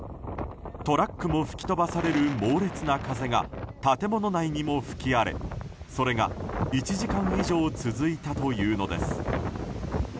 トラックも吹き飛ばされる猛烈な風が建物内にも吹き荒れ、それが１時間以上続いたというのです。